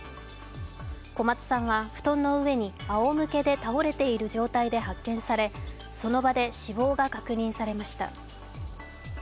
小松さんは布団の上にあおむけで倒れている状態で発見されその場で死亡が確認されました。